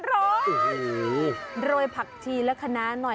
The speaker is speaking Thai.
โรยผักทีและขนาด